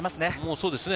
そうですね。